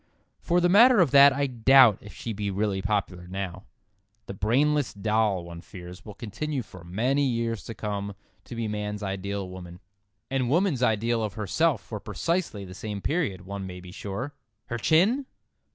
For the matter of that I doubt if she be really popular now. The brainless doll, one fears, will continue for many years to come to be man's ideal woman—and woman's ideal of herself for precisely the same period, one may be sure. "Her chin!"